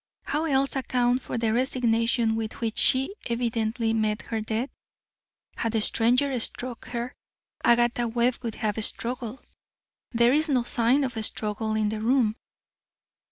How else account for the resignation with which she evidently met her death? Had a stranger struck her, Agatha Webb would have struggled. There is no sign of struggle in the room."